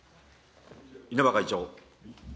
稲葉会長。